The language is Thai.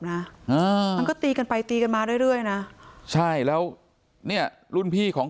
นะอ่ามันก็ตีกันไปตีกันมาเรื่อยเรื่อยนะใช่แล้วเนี่ยรุ่นพี่ของ